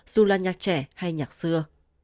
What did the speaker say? dù là nhạc trẻ hay nhạc xưa